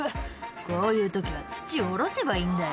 「こういう時は土降ろせばいいんだよ」